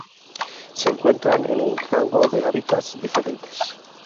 Se encuentran en un rango de hábitats diferentes.